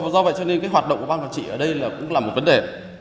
do vậy cho nên cái hoạt động của ban quản trị ở đây cũng là một vấn đề